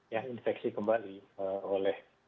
yang infeksi kembali oleh